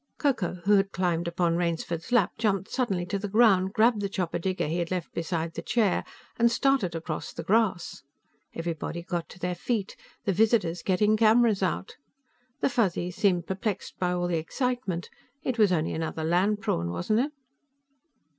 Ko Ko, who had climbed upon Rainsford's lap, jumped suddenly to the ground, grabbed the chopper digger he had left beside the chair and started across the grass. Everybody got to their feet, the visitors getting cameras out. The Fuzzies seemed perplexed by all the excitement. It was only another land prawn, wasn't it?